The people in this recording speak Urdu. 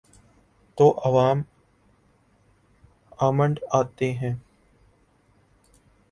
تو عوام امنڈ آتے ہیں۔